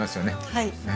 はい。